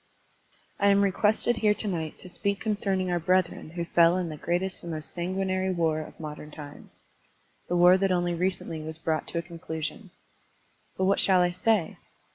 I AM requested here to night to speak con cerning our brethren who fell in the greatest and most sanguinary war of modem times, — the war that only recently was brought to a conclu sion. But what shall I say?